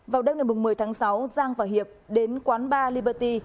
vào đêm ngày một mươi tháng sáu giang và hiệp đến quán bar leberty